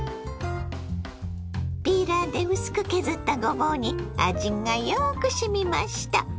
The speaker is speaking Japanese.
ピーラーで薄く削ったごぼうに味がよくしみました。